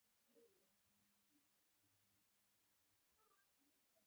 متغیره پانګه په اصل کې د کارګرانو مزد ګڼل کېږي